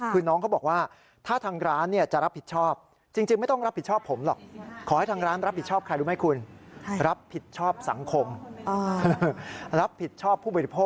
คือน้องเขาบอกว่าถ้าทางร้านจะรับผิดชอบ